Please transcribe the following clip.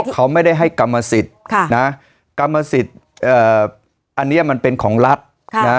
เพราะเขาไม่ได้ให้กรรมสิทธิ์ค่ะนะกรรมสิทธิ์เอ่ออันเนี้ยมันเป็นของรัฐค่ะ